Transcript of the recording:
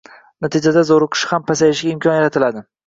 natijada zo‘riqishi ham pasayishiga imkon yaratiladi.